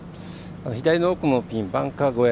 左の奥のピン、バンカー越え。